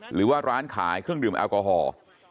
หรือว่าร้านขายเครื่องดื่มแอลกอฮอล์